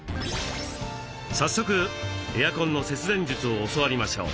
早速エアコンの節電術を教わりましょう。